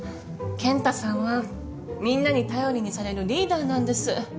健太さんはみんなに頼りにされるリーダーなんです。